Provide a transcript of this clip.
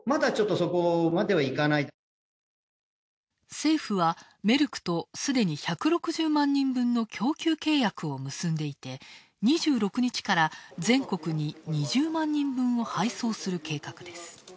政府は、メルクとすでに１６０万人分の供給契約を結んでいて２６日から全国に２０万人分を配送する計画です。